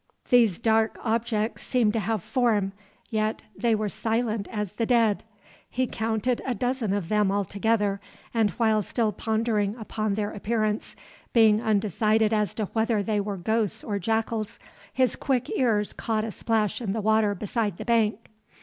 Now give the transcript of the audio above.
These dark objects seemed to have form, yet they were silent as the dead. He counted a dozen of them altogether, and while still pondering upon their appearance, being undecided as to whether they were ghosts or jackals, his quick ears caught a splash in the water beside the bank.